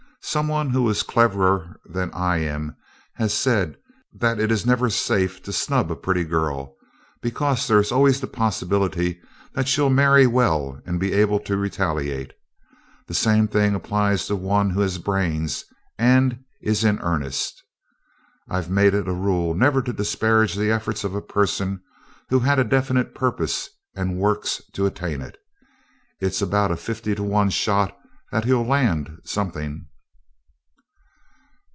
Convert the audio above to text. "Someone who is cleverer than I am has said that it is never safe to snub a pretty girl, because there is always the possibility that she'll marry well and be able to retaliate. The same thing applies to one who has brains and is in earnest. I've made it a rule never to disparage the efforts of a person who had a definite purpose and works to attain it. It's about a fifty to one shot that he'll land sometime."